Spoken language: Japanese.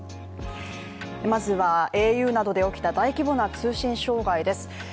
まずはａｕなどで起きた大規模な通信障害です。